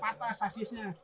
biar nggak cepat patah sasisnya